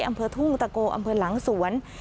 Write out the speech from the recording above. อันเบิดทุ่งตะโก้อันเบิดหลังสวน